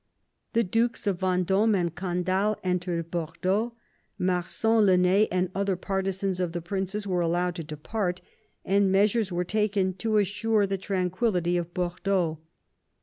The Dukes of Venddme and Candale entered Bordeaux; Marsin, Lenet, and other partisans of the princes were allowed to depart, and measures were taken to assure the tranquillity of Bordeaux.